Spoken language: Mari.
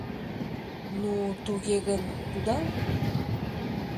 — Ну, туге гын, кудал.